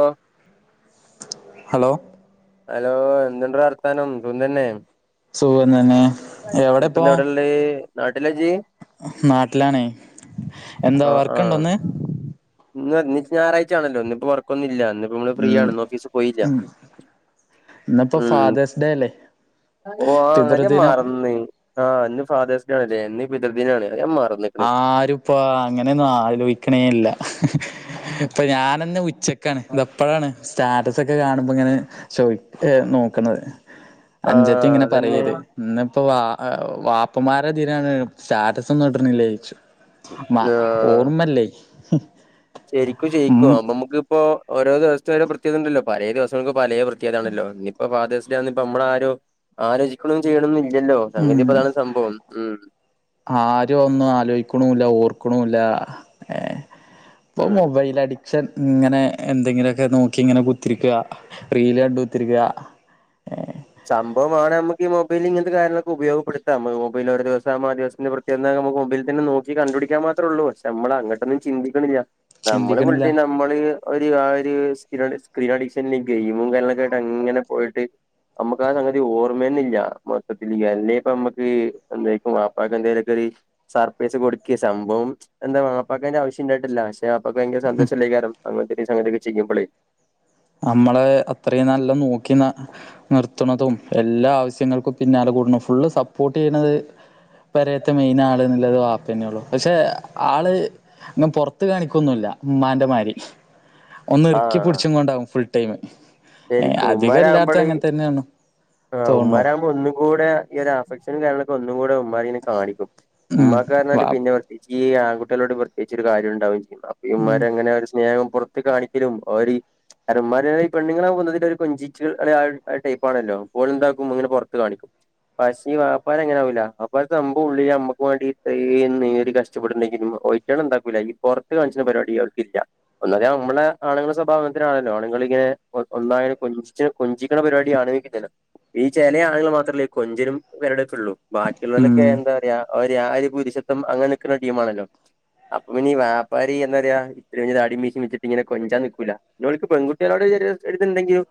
ആഹ് hello hello എന്തുണ്ട് വർത്താനം സുഖംതന്നെ സുഖം തന്നെ എവിടെ ഇപ്പോ പിന്നെവിടെള്ളേ നാട്ടിലാണേ എന്താ ആഹ് വർക്ക് ആഹ് ണ്ടോന്ന് ഇന്ന് ഇന്ന് ഞായറാഴ്ചാണല്ലോ ന്ന്പ്പ വർക്കൊന്നുല്ല ഇന്ന്പ്പോ നമ്മള് ഫ്രീ ഉം ആണ് ഓഫീസ് പോയില്ല ഇന്നിപ്പോ ഉ ഫാദേഴ്സ് ഡേ അല്ലേ ഓ ആഞ്ഞാ പിതൃദിനം മറന്ന് ആ ഇന്ന് ഫാതേഴ്സ് ഡേആണല്ലേ ഇന്ന് പിതൃദിനാണ് അത് ഞാൻ മറന്ന്ക്ക്ണ് ആര്പ്പ അങ്ങനെയൊന്നും ആലോയിക്ക്ണേല്ല ഇപ്പൊ ഞാനന്നെ ഉച്ചക്കാണ് ഇതപ്പോഴാണ് സ്റ്റാ സൊക്കെ കാണുമ്പോ ഇങ്ങനെ ചോയ് നോക്ക്ണത് ആഹ് അനുജത്തി ഇങ്ങനെ അതന്നെ പറയണത് ഇപ്പൊ വാ വാപ്പന്മാരെതിനാണ് സ്റ്റാറ്റസൊന്നുട്ണില്ലോയ്ച്ചും. മ ഓർമ്മല്ലേ. ശരിക്കു ഉം ജയിക്കോ നമുക്കിപ്പോ ഓരോ ദെവസ്ത്തൊരു പ്രത്യേകത ണ്ടല്ലോ പലേ ദെവസങ്ങ പലേ പ്രത്യേകതണല്ലോ ഇനിപ്പ ഫാതേഴ്സ് ഡേ ആന്ന്പ്പ നമ്മളാരും ആലോചിക്ക്ണും ചെയ്യണ ഉം ആരും ഒന്നും ആലോയ്ക്ക്ണുല്ല ഓർ ക്ക്ണുല്ല എ ഇപ്പോ ഉം മൊബൈൽ അഡിക്ഷൻ ഇങ്ങനെ എന്തെങ്കിലൊക്കെ നോക്കി ഇങ്ങനെ കുത്തിരിക്ക്യ. റീൽ കണ്ട് കുത്തിരി ക്യ സംഭവം വേണേ നമുക്ക് ഈ മൊബൈലിൽ ഇങ്ങനത്തെ കാര്യങ്ങളൊക്ക ഉപയോഗപ്പെടുത്താം. മൊബൈൽ ഒരു ദിവസാവുമ്പോ ആ ദിവസത്തെ പ്രത്യേകത എന്താന്ന് നമുക്ക് മൊബൈലിൽ തന്നെ നോക്കി കണ്ടുപിടിക്കാൻ മാത്രേ ഉള്ളൂ പക്ഷേ നമ്മള് അങ്ങട്ടൊന്നും ചിന്തിക്കുന്നില്ല. നമ്മള് ചിന്തിക്കണില്ല വീട്ടി നമ്മള് ഒരു കാര്യവും ഒരു സ്ക്രീൻ അഡിക്ഷനിലേക്ക് ഗെയിമും കാര്യങ്ങളൊക്കെ ആയിട്ട് അങ്ങനെ പോയിട്ട്. നമുക്ക് ആ സംഗതി ഓർമ്മയിന്നില്ല. മൊത്തത്തിൽ അല്ലെ ഇപ്പ നമ്മക്ക് എന്തെ വാപ്പക്കു എന്തായലൊക്കെ. സർപ്രൈസ് കൊടുക്കെ സംഭവം എന്താ വാപ്പാക്കേന്റെ ആവശ്യം ഉണ്ടായിട്ടില്ല പക്ഷെ അപ്പൊ ഭയങ്കര സന്തോഷമുള്ള കാര്യം അങ്ങനത്തെ സംഗതിയൊക്കെ ചെയ്യുമ്പോളേ. നമ്മളെ അത്രയും നല്ല നോക്കി നിർത്തുന്നതും. എല്ലാ ആവശ്യങ്ങൾക്കും പിന്നാലെ കൂടെന്ന് ഫുള്ള് സപ്പോർട്ട് ചെയ്യണത്. പെരയത്തെ മെയിൻ ആള് എന്നുള്ളത് വാപ്പന്നെള്ളു. പക്ഷെ ആള് അങ്ങ് പുറത്ത് കാണിക്കൊന്നുമില്ല. ഉമ്മാന്റെ മാരി ഒന്ന് ഇറുക്കി ആഹ് പിടിച്ചും കൊണ്ടാവും ഫുൾ ടൈം. ഏ അധികം എല്ലായിടത്തും അങ്ങനെ തന്നെയാണ്. ആ ഉമ്മാ തോന്നുണു നാവുമ്പോ ഒന്നും കൂടെ ഈ ഒരു ആഫെക്ഷൻ കാര്യങ്ങളൊക്കെ ഒന്നും കൂടെ ഉ അതിങ്ങനെ കാണിക്കും. ഉം വാ ഉമ്മാക്കാനങ്കി പിന്നെ പ്രത്യേകിച്ച് ഈ ആൺകുട്ടിളോട് പ്രത്യേകിച്ച് ഒരു കാര്യം ഉണ്ടാവും. അപ്പന്മാരങ്ങനെ ഒരു സ്നേഹം പുറത്ത് കാണിക്കലും അവര് ഉമ്മാനെ പെ ഇങ്ങനെ ഒരു കൊഞ്ചിച്ച് ആ ടൈപ്പാണല്ലോ. പോളെന്താക്കും ഇങ്ങനെ പുറത്ത് കാണിക്കും പക്ഷേ വാപ്പാനെ ഇങ്ങനാവുല്ല വാപ്പാടുത്ത് [unintelligible] ഉള്ളില് നമ്മക്ക് വേണ്ടിട്ട് ഇനേര് കഷ്ടപ്പെടണ്ടരിക്ക ഓയി എണ്ടാക്കൂല്ല. ഈ പുറത്ത് കാണിക്കുന്ന പരിപാടി അവർക്കില്ല. ഒന്നാമത് നമ്മള് ആണുങ്ങള് സ്വഭാവനത്തിനാണല്ലോ ആണുങ്ങൾ. ആൾ ഇങ്ങനെ. ഒന്നായെ കൊഞ്ചി കൊഞ്ചിക്കണ പരിപാടി ആണുങ്ങൾക്ക് ഇല്ലല്ലോ. ഈ ചില ആളുകൾ മാത്രമല്ലേ കൊഞ്ചനും വെരടക്കള്ളൂ. ബാക്കിയുള്ളവലൊക്കെ ഉം എന്താ പറയാ ആര് പുരുഷത്വം അങ്ങനെയൊക്കെ ഉള്ള ടീമാണല്ലോ. അപ്പ പിന്ന വാപ്പാര് എന്ത പറയാ ചെറിയ താടി മീശി വച്ചിട്ട് ഇങ്ങന കൊഞ്ചാൻ നിൽക്കൂല്ല ഓൻക്ക് പെൺകുട്ടികളോട് എടുത്തിട്ടിണ്ടെങ്കിലും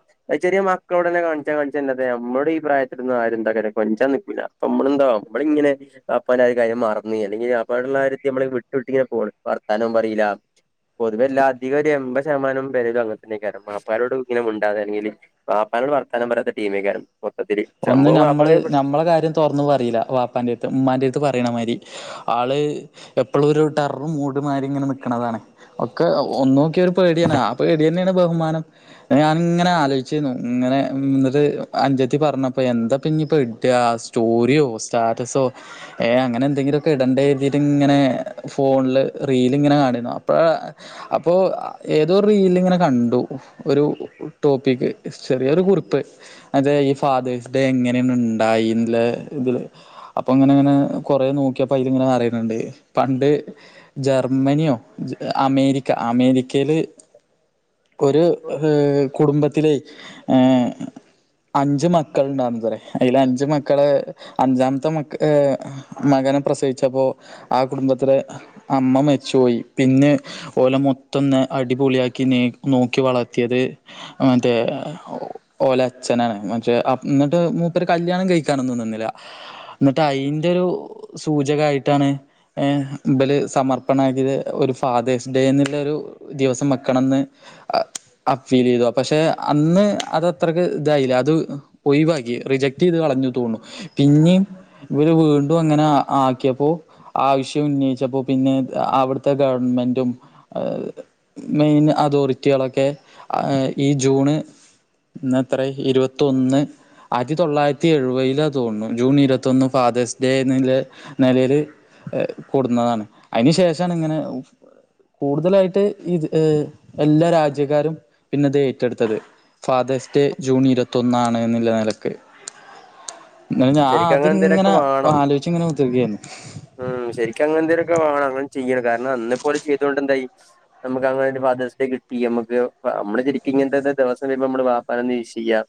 ചെറിയ മക്കളോട് തന്നെ കാണിച്ചാ കാണിച്ച നമ്മുടെ ഈ പ്രായത്തിന്ന് ആരും എന്താ കൊഞ്ചാനെന്നും നിക്കൂല. അപ്പം നമ്മളെന്താവും നമ്മളിങ്ങനെ വാപ്പാനെ കാര്യം മറന്ന് അല്ലെങ്കി വാപ്പയോടുള്ള കാര്യത്തി നമ്മളിങ്ങനെ വിട്ട് വിട്ട് ഇങ്ങനെ പോരും വർത്താനവും പറിയില്ല. പൊതുവെ എല്ലാധികം ഒരു എൺമ്പത് ശതമാനം പേരും അങ്ങനത്തന്നെയാരിക്കും വാപ്പാ നോട് ഇങ്ങനെ മിണ്ടാതെ ആണെങ്കില് വാപ്പാനോട് വർത്താനം പറയാത്ത ടീമേക്കാരും. ഒന്ന് നമ്മള് നമ്മളെ കാര്യം തുറന്നു പറയില്ല, ബാപ്പാന്റെറ അടുത്ത് ഉമ്മാന്റെ അടുത്ത് പറയണമാതിരി. ആള് എപ്പോഴും ഒരു ടെർ മൂട്മാരി ഇങ്ങനെ നിക്കണതാണ്. ഒക്കെ ഒന്ന് നോക്കിയ ഒരു പേടിയാണ്. ആ പേടി തന്നെയാണ് ബഹുമാനം. ഞാൻ ഇങ്ങനെ ആലോചിച്ചിരുന്നു. അങ്ങനെ എന്നിട്ട് അഞ്ച്. പറഞ്ഞപ്പോ എന്താ ഇപ്പോ പിന്ന ഇടാ സ്റ്റോറിയോ സ്റ്റാറ്റസോ അങ്ങനെ എന്തെങ്കിലുക്കെ ഇട ഡെയ്ലി ഇങ്ങനെ ഫോണില് റീല് ഇങ്ങനെ കാണണ് അപ്പോ റീൽ ഇങ്ങനെ കണ്ടു. ഒരു ടോപ്പിക് ചെറിയ ഒരു കുറിപ്പ് അത് ഫാതേഴ്സ് ഡേ എങ്ങനെന്ന് ഉണ്ടായി ഇതില് അപ്പൊ അങ്ങനെ അങ്ങനെ കൊറ നോക്കിയപ്പോ അങ്ങനെ പറണെണ്ട് പണ്ട് ജർമ്മനിയോ അമേരിക്ക അമേരിക്കയില് ഒരു കുടുംബത്തിലെ അഞ്ച് അഞ്ച് മക്കൾ ഉണ്ടാവുന്ന പറയും. അതിൽ അഞ്ച് മക്കള് അഞ്ചാമത്തെ മ മകനെ പ്രസവിച്ച പ്പോ ആ കുടുംബത്തിലെ അമ്മ മരിച്ചുപോയി. പിന്നെ ഓലെ മൊത്തന്ന് അടി കുളിയാക്കിനി നോക്കി വളർത്തിയത് മറ്റേ ഓലെ അച്ഛനാണ്. പക്ഷ എന്നിട്ട് മൂപ്പർ കല്യാണം കഴിക്കാനൊന്നു നിന്നില്ല എന്നിട്ട് അയിന്റെ സൂചക ആയിട്ടാണ്. ഏ മ്പല് സമർപ്പണ ആകിയത് ഒരു ഫാതേഴ്സ് ഡേ എന്നുള്ള ഒരു ദിവസം വെക്കണന്ന്. അ ഫീൽ ചെയ്തു. പക്ഷെ അന്ന് അത് അത്രക്ക് ഇതായില്ല അത്. ഒഴിവാക്കി റിജക്ട് ചെയ്ത് കളഞ്ഞു തോന്നുന്നു, പിന്നേ ഇവര് വീണ്ടും അങ്ങനെ ആക്കിയപ്പോ ആവശ്യം ഉന്നയിച്ചപ്പോ പിന്നെ അവിടുത്തെ ഗവൺമെന് മെന്റും മെയിൻ അതോറ്റികളൊക്കെ ഈ ജൂൺ ഇന്ന് എത്ര ഇരുപത്തി ഒന്ന് ആയിരത്തി തൊള്ളായിരത്തി എഴുപതിൽ ആണെന്ന് തോന്നുന്നു. ജൂൺ ഇരുപത്തിയൊന്ന് ഫാതേഴ്സ് ഡേ എന്നെ നിലയിൽ കൂടുന്നതാണ് അതിനു ശേഷമാണ് ഇങ്ങനെ കൂടുതലായിട്ട് ഇത് ഏർ എല്ലാ രാജ്യക്കാരും പിന്നെത് ഏറ്റെടുത്തത്. ഫാദർഴ്സ് ഡേ ജൂൺ ഇരുപത്തൊന്നാണ്നുള്ള നിലക്ക് ങ്ങഹ് ഞാ ശരിക്കും അങ്ങനെ അതിങ്ങനെ എന്തേലൊക്കെ ആലോചിച്ങ്ങനെ കുത്തി ർക്കായിരുന്നു. ആമ് ശരിക്കും അങ്ങെന്തൊങ്കിലൊക്കെ വേണം അങ്ങനെ ചെയ്യാൻ കാരണം അന്നെപ്പോലെ ചെയ്തോണ്ട് എന്തായി നമുക്ക് അങ്ങന ഒരു ഫാദേഴ്സ് ഡേ കിട്ടി നമ്മക്ക് നമ്മള് ശരിക്കും ഇങ്ങ- ഇന്നത്ത ദിവസം ഉണ്ടെങ്കിൽ നമ്മള് ബാപ്പാനെ ഒന്ന് വിഷ് ചെയ്യാം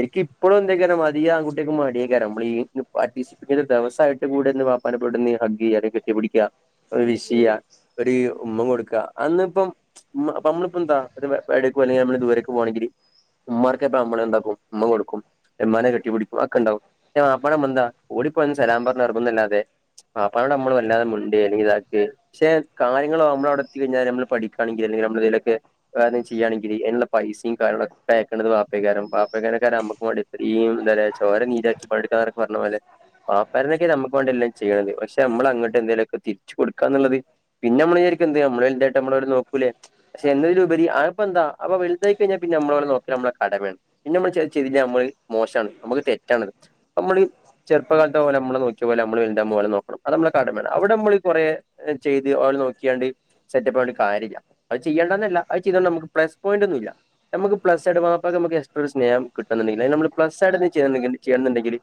എനിക്ക് ഇപ്പഴും ഒന്ന് ആലോചിക്കുവാന് മടിയാ, ആൺകുട്ടികൾക്ക് മടിയാ [unintelligible] ദിവസായിട്ട് കൂടെന്ന് വാപ്പാനെ പെടുന്നു ഹഗ്ഗ് യ്യാ കെട്ടിപടിക അഹ് വിശേയ്യ രു ഉമ്മ കൊടുക്ക അന്ന്പ്പം മ അപ്പമ്മളിപ്പ എന്ത [unintelligible] നമ്മള് ദൂരെക് പോകണെങ്കിൽ ഉമ്മാർക്അപ്പൊ അമ്മള് എന്താക്കും ഉമ്മ കൊടുക്കും ഉമ്മാനെ കെട്ടിപ്പിടിക്കുംഅതൊക്ക ഇണ്ടാകും വാ പ്പാമ്മട്ന്താ ഓടി പോയി ഒന്ന് സലാം പറഞ്റങ്ങുന്നല്ലാതെ വാപ്പനോട് നമ്മള് വല്ലാതെ മിണ്ടേ ഇങ്ങനെ എഹ് ക്ഷെ കാര്യങ്ങള് അമ്മള് അവിടെ എത്തി കഴിഞ്ഞാൽ നമ്മള് പഠിക്കണെങ്കില് ല്ലെങ്കില് നമ്മല് തീലൊക്കെ പ്പോ വേറെന്നെലും ചെയ്യാണങ്കില് അൻള്ള പൈസയും കാര്യങ്ങളൊക്കെ അയക്ക്നത് വാ പ്പയ് കാരം വാപ്പ അങ്ങനെകാരം അമ്മയ്ക്കും വാണ്ടി ഈമ് എന്താറിയ ചോര നീരാ [unintelligible] വാപ്പര്ന്നെങ്കിൽ നമ്മക്ക് വേണ്ടി എല്ലാം ചെയ്യണത് പക്ഷെ നമ്മല് അങ്ങോട്ട് എന്തേലുക്കെ തിരിച്ചു കൊടുക്കന്നൊള്ളത് - പിന്നെമ്മള് രായിക്കും എന്ത് അമ്മള് വൽതായിട്ട് നമ്മളവരെ നോക്കൂലെ പക്ഷേ എന്നതിലുപരി ആഹ് അപ്പൊ എന്താഅപ വൽതായിക്കഴിഞ്ഞ പി നമ്മള് അവരെ നോക്ക നമ്മടെ കടമയാണ് പിന്നെ [unintelligible] നമ്മള് മോശണ് നമുക് തെറ്റാണത്. അമ്മള് ചെറുപ്പകാലത്തു ഓര് മ്മളെ നോക്കിയ പോലെ നമ്മള് വലുതാകുമ്പോ ഒലെ നോക്കണം അത് നമ്മള കട മേണ് അവിടെ നമ്മള് കുറേ എഹ് ചെയ്ത് ഓലെ നോക്കിയാണ്ട് സെറ്റപ്പവുണ്ട് കാര്യല്ല. അത് ചെയ്യേണ്ടന്നല്ല അഹ് ചെയ്തണ്ട് നമുക്ക് പ്ലസ് പോയി ന്റന്നൂല്യ നമുക്ക് പ്ലസ്ഡ് മാപ്പക്ക് മക് എസ്ട്രാ ഒരു സ്നേം കിട്ടുന്നുണ്ടെങ്കില് നമ്മള് പ്ലസഡ് ചെർന്ന്ങ്ങണ്ട് ചെയ്യ്ണെന്നുണ്ടെങ്കില്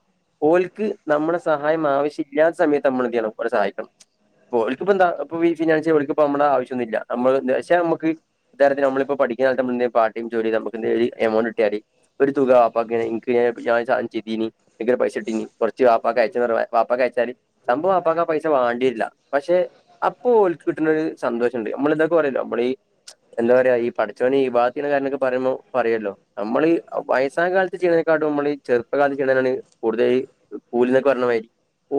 ഓൽക്ക് നമ്മടെ സഹായം ആവശ്യ ല്ലാത്ത സമയത്ത് നമ്മള് എന്ത് ചെയ്യണം. ഓരെസഹായിക്കണം. ഓൽക് പ്പന്താ ഇപ്പൊ ഈ ഫിനാൻശ്യ ഓല്ക് പമ്മളെ ആവശ്യംന്നില്ല നമ്മള് നെ അഷേ മ്മക്ക് [inaudible] പിന്നെ അതിനു മുൻപേ പാർട്ടൈം ജോലിയിൽ എമൗണ്ട് കിട്ടിയാല് ഒരു തുക വാപ്പാക്ക് [unintelligible] ചിതിനി പൈസ ഇട്ടീഞ് കുറച്ച് വാപ്പാക്ക അയച്ച വാപ്പാക്ക അയച്ചാല് സംഭവ വാപ്പാക്കാ പൈസ വേണ്ടില്ല. പക്ഷെ അപ്പോഓൾക് കിട്ടുന്നത് സന്തോഷണ്ട് മ്മള് [unintelligible] പറയല്ലോ നമ്മളഈ എന്താ പറയാ ഈ പ ചോന് ഈബത്തിന്റെ കാ രണോകെ പറയുമ്പോ പറയോല്ലോ നമ്മളീ വയസ്സാകാലത്ത് ചെയ്യ് നെകാടും നമ്മള് ചെറു [unintelligible] ചെയ്യണേനാണ് കൂടുതൽ കൂലിനൊക്കെ പറയണമത്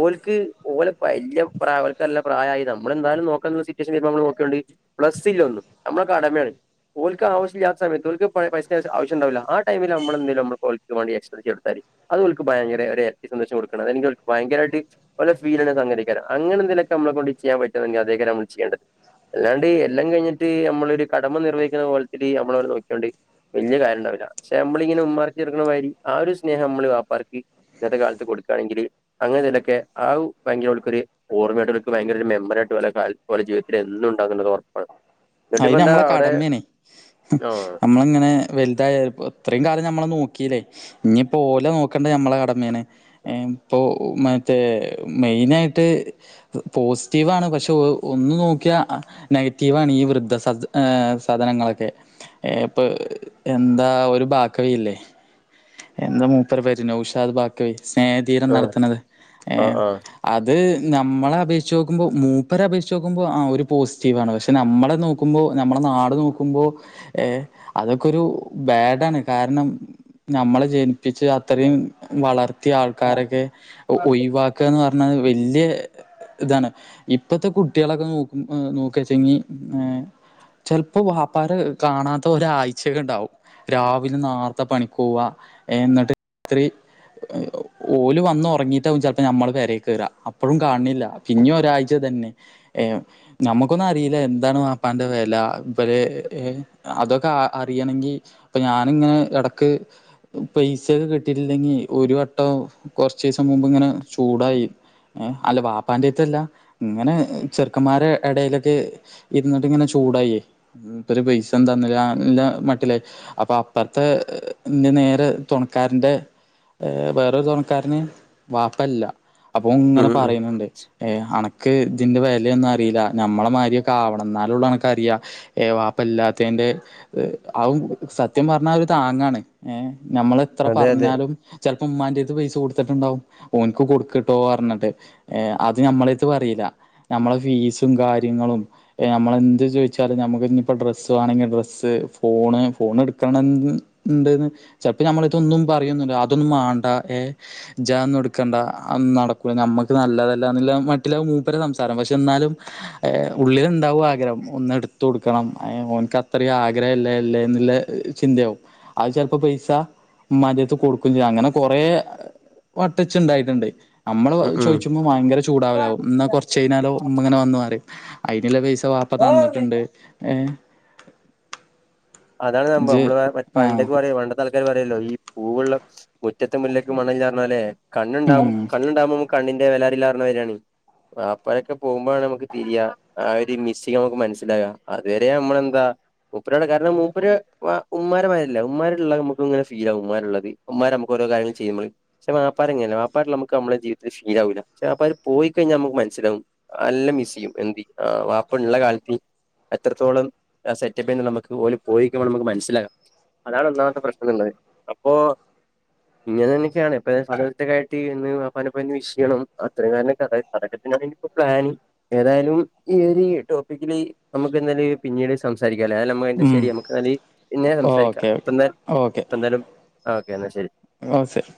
ഓൽക്ക് ഓല [unintelligible] പ്രായായി യ നമ്മൾെന്തായാലും നോക്കാ സിറ്റുവേഷൻ നമ്മൾ നോക്കിയണ്ട് പ്ലസ്സില്ല ന്നും നമ്മള കടമേണ്‌. ഓല്ക് ആശ്യില്ലാത്ത സമയത്ത്ഓല്ക് പൈസ ആശ്യംണ്ടാവില്ല ആ ടൈമില് നമ്മളെന്തേലും നമ്മ ഓല്ക്വേണ്ടി എക്സ്പെൻ ചെയ്തൊടുത്താല് അത്ഓൾക്ക് ഭയങ്കര ഒര് ഇരട്ടി സന്തോഷം കൊടുക്കണ [inaudible] ഭയങ്കരമായിട്ട് ഫീൽ ചെയ്ത സംഗതിയൊക്കെയാണ് അങ്ങനെ നമ്മളെ കൊണ്ട് ചെയ്യാ പറ്റെന്നത്തേയ്ക്കാരം നമ്മള് ചെയ്യേണ്ടേ അല്ലാണ്ട് എല്ലാം കഴിഞ്ഞിട്ട് നമ്മളൊരു കടമ നിർവഹിക്കുന്ന പോലെ നമ്മള അവരെ നോക്കിയോണ്ട് വലിയകാര്യം ണ്ടാവൂല ഷേ അമ്മളീങ്ങനെ ഉമ്മാര്ക് റങ്‌ണ വയി ആ ഒരു സ്നേ നമ്മള വാപ്പാർക്ക് ഇന്നത്തെ കാലത്ത് കൊടുകാണങ്ങില് അങ്ങനെ [inaudible] ഇതൊക്ക [unintelligible] വീട്ടർക് ഭയങ്കര ഒരു മെമ്മറിയാട്ട് ഓല കാലത്തുംജീവിതതിലെന്നുണ്ടാവൂന്നു ഉറപ്പാണ് എന്നിട്ട് ഇപ്പ അയിന് എന്താ മ്മളെ അവിടെ കടമേനെ ആ നമ്മളിങ്ങനെ വലുതായ ഇത്രയും കാലം നമ്മളെ നോക്കില്ലേ. ഞ്ഞിപ്പ ഓലെ നോക്കേണ്ട നമ്മള കടമേണ് ഇപ്പോ മ തെ മൈനായിട്ട് പോസിറ്റീവാണ് പക്ഷെ ഒന്ന് നോക്കിയ നെറ്റിവാണ് ഈ വൃദ്ധ സദ് [unintelligible] സദനങ്ങളൊക്കെ ഇപ്പൊ എന്താ ഒരു ബാക്കവില്ലേ എന്താ മൂപ്പര പേര് നൗഷാദ് ബാഖവി സ്നേഹതീരം ആ നടത്ത്ണത് ആ ഏയ് ആ അത് നമ്മളെ അപേഷ് ചോ കുമ്പോ മൂപ്പരെ അപേഷിച്ചു നോക്കുമ്പോൾ ആഹ് ഒരു പോസിറ്റീവാണ് പക്ഷെ നമ്മളെത് നോക്കുമ്പോ നമ്മള നാട് നോക്കുമ്പോ ഏയ് അതൊക്കെരു ബാഡാണ് കാരണം നമ്മള ജനിപ്പിച്ച് അത്രയും വളർത്തിയ ആൾക്കാരെക്കെ ഒഴിവാക്കുക പറഞ- എന്നാ വല്ലിയെ ഇതാണ് ഇപ്പത്തെ കുട്ടികളൊക്കെ നോക്കുവാ വെച്ചെങ്കി - ചെലപ്പോ വാപ്പാരെ കാണാത്ത ഒരാഴ്ചയക്കെ ണ്ടാവും രാവിലെ നാർത്തെ പണി പോവ എന്നിട്ട് ഇത്രയേ - ഓല് വന്ന് ഉറങ്ങിട്ടാ വും ചെല്പം നമ്മള് പേരേ കേറാ അപ്പോഴും കാണ്ണില്ല പിന്നെ ഒരാഴ്ച ഏ നമ്മക്കൊന്നുമാറിയില്ല എന്താണ് വാപ്പാന്റെ വില അതൊക്കെ അറിയണമെങ്കിൽ ഇപ്പ ഞാന് ഇങ്ങനെ ഇട ക്ക് പൈസൊക്കെ കിട്ടിയിട്ടില്ലെങ്കിൽ ഒരു വട്ടം കുറച്ച ദിവസം മുമ്പ് ഇങ്ങനെ ചൂടായി ഏ അല്ല വാപ്പാന്റെറയത്തല്ല ഇങ്ങനെ ചെറുക്കന്മാരുടെ ഇടയിലൊക്കെ ഇരുന്നിട്ട് ഇങ്ങനെ ചൂടായി മൂപര് പൈസ ഒന്നും തന്നില്ല മട്ടിലായി അപ്പൊ അപ്പറത്തെ ഇന്റെ നേരെ തുണക്കാരന്റെ വേറരു തുണക്കാരന് വാപ്പല്ല അപ്പൊ ഇങ്ങനെ ഉം ഉം പറയുന്നുണ്ട് അണക്ക് ഇതിന്റെ ന്ന അറിയില്ല നമ്മളെ മാരിയൊക്കെ ആവണം എന്നാലുള്ളു അനക്കറിയ ഏ വപ്പല്ലാത്തന്റെ അവ സത്യം പറഞ്ഞ ഒരു താങ്ങാണ് ഏ് നമ്മൾ എത്ര അതെ അതെ പറഞ്ഞാലും ചിലപ്പോ ഉമ്മാൻറേത് പൈസ കൊടു ണ്ടാവുംഓനിക്ക് കൊടുക്കട്ടോ പറഞ്ഞിട്ട് അത് നമ്മള പററിയില്ല നമ്മള ഫീസ് സും കാര്യങ്ങളും നമ്മളെന്ത് ചോദിച്ചാലും നമുക്ക് ഇന്നിപ്പോൾ ഡ്രസ്സ് വേണെങ്കിൽ ഡ്രസ്സ് ഫോണ് ഫോൺ എടുക്കണം ഉണ്ടന്ന് ചിലപ്പോ നമ്മള ഇതൊന്നും പറയന്നില്ല അതൊന്നും മാണ്ട ഏ ഇജന്നും എടുക്കണ്ട അ നടക്ക നമ്മുക്ക് നല്ലതല്ലന്നില്ല മറ്റുള്ള മൂപ്പര സംസാരം പക്ഷെ എന്നാലുംഉള്ളില്ണ്ടാവും ആഗ്രഹം ഒന്നു എടുത്ത കൊടുക്കണം അവഓൻക്ക് അത്രയും ആഗ്രഹമല്ല അല്ലേ എന്നുള്ള ചിന്തയാവും അത് ചപ്പോൾ ഇപ്പൊ പൈസ മ്മാന്റെ അടുത്ത കൊടുക്കും ചെയ്യ അങ്ങനെ കൊറെ വട്ടച്ച ഉണ്ടായിട്ടുണ്ട് നമ്മള് ഉം ചോദിച്ചുമ്പോ ഭയങ്കര ചൂടാവലാവും എന്നാ കുറച്ച കയിഞ്ഞാലോ ഇങ്ങനെ വന്നു മാറി അതിന വാപ്പ ഉം തന്നിട്ടുണ്ട് ഏ അതാണ് സംഭം ഇജ് നമ്മള് ആഹ് പണ്ടേക്ക് പറയും പണ്ട തൽക്കാർ പറയല്ലോ ഈ പൂവ മുറ്റത്തെ മുല്ലേക്ക് മണാല്ലാന്നു ലെ ഉം കണ്ണുണ്ടാകും കണ്ണുണ്ടാകുമ്പോ നമുക്ക് കണ്ണിന്റെ വെല അറിയില്ലന്നാണ് വാപ്പരൊക്കെ പോകുമ്പോഴാണ് നമുക്ക് തിരിയാ ആ ഒരു മിസ്സിംഗ് നമുക്ക് മനസ്സിലാക അതുവരെ നമ്മളെന്താ മൂപ്പര് മൂര് ഉമാരില്ല ഉമാരിുള്ള നമുെ ഫീൽ ആകും ഉമാ ഉള്ളത് ഉമാരെ നമു ഓരോ കാര്യൾ ചെയ്യ പക്ഷെ വപ്പാ അങ്ങനെയല്ല വപ്പാ നമുക്ക് നമ്മുടെ ജീവിതത്തില് ശീലാവൂല പെ വപ്പാര് പോയി കഴിഞ്ഞാ നമുക്ക് മനസ്സിലാകും എല്ലാം മിസ് ചെയ്യും എന് ആ വാപ്പ ഉള്ള കാലത്തി എത്രത്തോളം സെറ്റപ്പ് ചെയ്യ നമുക്ക് ഇതുപോലെ പോയിക്കുമ്പോൾ നമുക്ക് മനസ്സിലാകാം അതാണ് ഒന്നാമത്തെ പ്രശ്നംള്ളത് അപ്പൊ ഇങ്ങനെ തന്നൊക്കെയാണ് ഇപ്പൊ സ്ഥക്ക ആയിട്ട് പ വിഷയങ്ങളും അത്രയും കാലൊക്കെ അത പ്ലാന് ഏതായാലും ഈ ഒരു ടോപ്പിക്കില് നമുക്ക് എന്തും പിന്നീട് സംസാരിക്കാംല്ല ഉം ശരി നമുക്ക് പിന്നെ സംസാരിക്കാം ഓക്കെ ഓക്കെ ഇപ്പം ന്ന് ഓക്കെ എന്തായാലും ഓക്കെ എന്ന എന്നാ ശരി ഓ ശരി